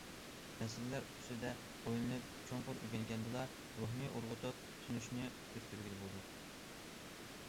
مەسىلىلەر ئۈستىدە ئويلىنىپ چوڭقۇر ئۆگەنگەندىلا، روھنى ئۇرغۇتۇپ تونۇشنى ئۆستۈرگىلى بولىدۇ.